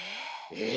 え？